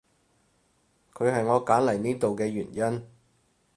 佢係我揀嚟呢度嘅原因